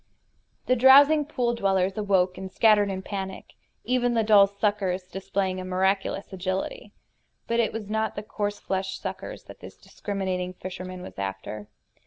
The drowsing pool dwellers awoke and scattered in a panic, even the dull suckers displaying a miraculous agility. But it was not the coarse fleshed suckers that this discriminating fisherman was after.